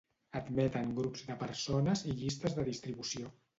Admeten grups de persones i llistes de distribució.